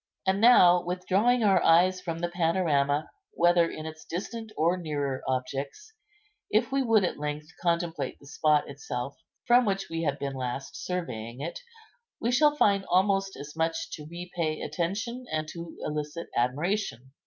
And now, withdrawing our eyes from the panorama, whether in its distant or nearer objects, if we would at length contemplate the spot itself from which we have been last surveying it, we shall find almost as much to repay attention, and to elicit admiration.